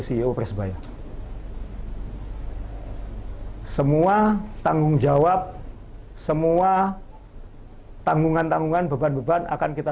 ceo persebaya semua tanggung jawab semua tanggungan tanggungan beban beban akan kita